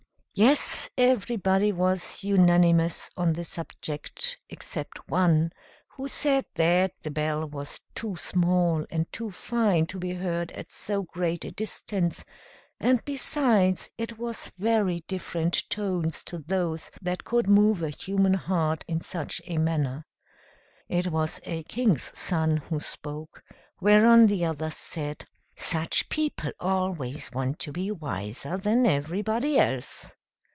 Yes, everybody was unanimous on the subject, except one, who said that the bell was too small and too fine to be heard at so great a distance, and besides it was very different tones to those that could move a human heart in such a manner. It was a king's son who spoke; whereon the others said, "Such people always want to be wiser than everybody else."